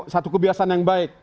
satu kebiasaan yang baik